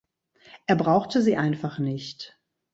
Er brauchte sie einfach nicht.